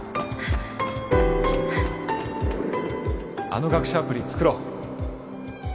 あの学習アプリ作ろう